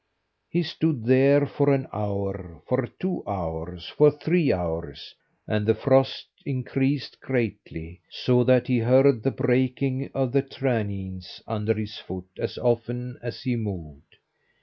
He stood there for an hour, for two hours, for three hours, and the frost increased greatly, so that he heard the breaking of the traneens under his foot as often as he moved.